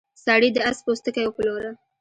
سړي د اس پوستکی وپلوره.